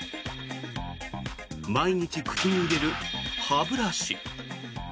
毎日、口に入れる歯ブラシ。